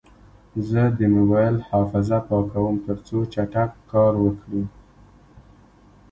زه د موبایل حافظه پاکوم، ترڅو چټک کار وکړي.